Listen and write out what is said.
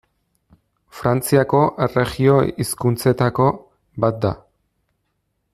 Frantziako erregio hizkuntzetako bat da.